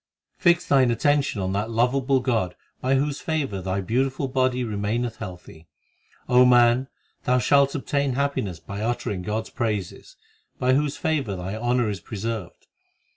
3 Fix thine attention on that lovable God By whose favour thy beautiful body remaineth healthy. O man, thou shalt obtain happiness by uttering God s praises, By whose favour thy honour is preserved.